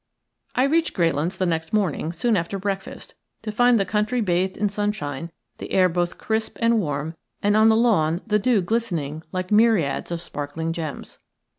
I reached Greylands the next morning soon after breakfast, to find the country bathed in sunshine, the air both crisp and warm, and on the lawn the dew glistening like myriads of sparkling gems.